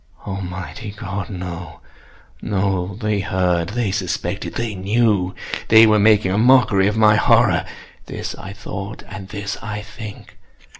Almighty God!—no, no! They heard!—they suspected!—they knew!—they were making a mockery of my horror!—this I thought, and this I think.